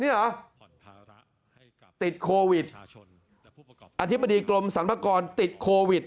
นี่เหรอติดโควิดอธิบดีกรมสรรพากรติดโควิด